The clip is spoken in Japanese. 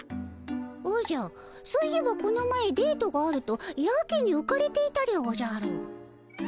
おじゃそういえばこの前デートがあるとやけにうかれていたでおじゃる。